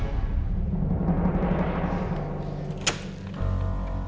aku akan menangkap raja